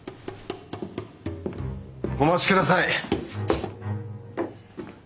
お待ちください！